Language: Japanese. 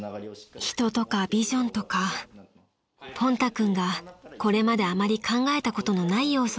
［人とかビジョンとかポンタ君がこれまであまり考えたことのない要素でした］